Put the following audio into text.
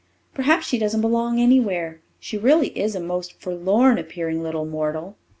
Perhaps she doesn't belong anywhere. She really is a most forlorn appearing little mortal."